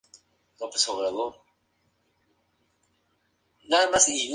Tiene la funcionalidad de conectarse con otras interfaces por línea de comandos.